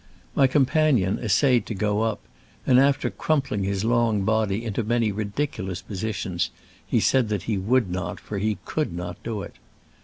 My companion essay ed to go up, and after crumpling his long body into many ridiculous posi tions, he said that he would not, for he could not do it.